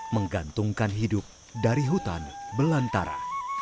menggantungkan hidup dari hutan belantara